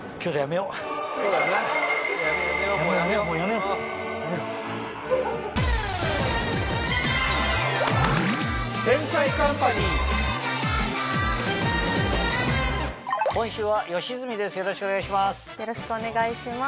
よろしくお願いします。